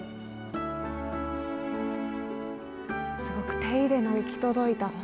すごく手入れの行き届いた